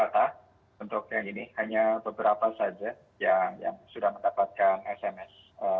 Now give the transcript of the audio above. untuk yang ini hanya beberapa saja yang sudah mendapatkan sms